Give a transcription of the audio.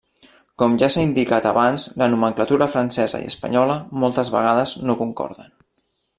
Com ja s'ha indicat abans la nomenclatura francesa i espanyola, moltes vegades, no concorden.